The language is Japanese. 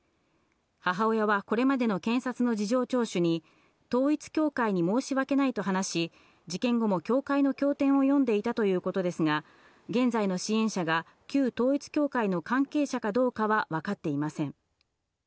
母親はこれまでの検察の事情聴取に統一教会に申し訳ないと話し、事件後も教会の経典を読んでいたということですが、現在の支援者が旧統一教会の関係者かどうかは分かっていません。